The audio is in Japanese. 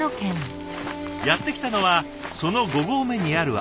やって来たのはその５合目にある空き地。